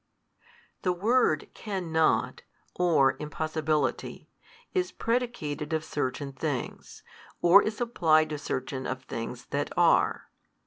The word cannot, or impossibility, is predicated of certain things, or is applied to certain of things that are.